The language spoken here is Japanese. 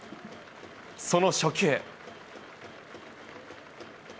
その初球。